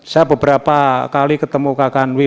saya beberapa kali ketemu pak menteri